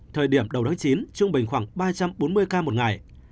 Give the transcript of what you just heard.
thời điểm đầu tháng chín trung bình khoảng ba trăm bốn mươi ca một ngày